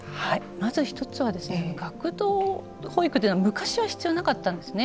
まず１つは学童保育というのは昔は必要なかったんですね。